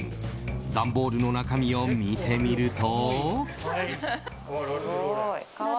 段ボールの中身を見てみると。